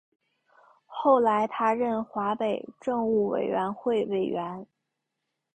后来他任华北政务委员会委员。